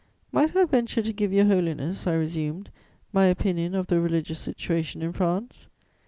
"'Might I venture to give Your Holiness,' I resumed, 'my opinion of the religious situation in France?'